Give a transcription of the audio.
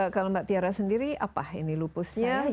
kalau mbak tiara sendiri apa ini lupusnya